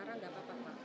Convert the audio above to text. fara enggak apa apa